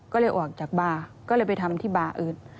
ก็เลยออกจากบาร์ก็เลยไปทำที่บาร์อื่น